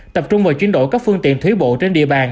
tập trung vào chuyển đổi các phương tiện thúy bộ trên địa bàn